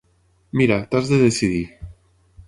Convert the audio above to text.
Mira, t'has de decidir.